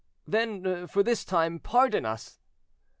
"Then, for this time, pardon us."